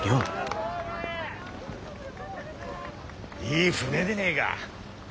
いい船でねえが。